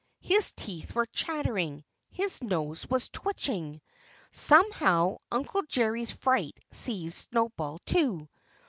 His teeth were chattering. His nose was twitching. Somehow Uncle Jerry's fright seized Snowball, too.